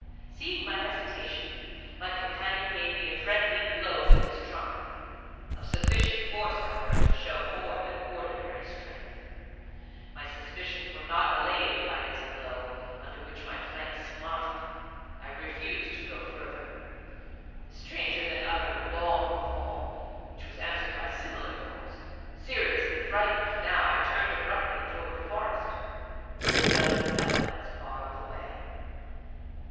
Seeing my hesitation, my companion gave me a friendly blow with his trunk, of sufficient force, however, to show more than ordinary strength. My suspicions were not allayed by this blow, under which my flank smarted; I refused to go further. The stranger then uttered a long call, which was answered by similar calls. Seriously frightened now, I turned abruptly towards the Forest. A dozen elephants barred the way.